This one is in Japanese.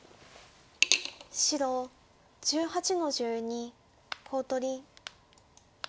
白１８の十二コウ取り。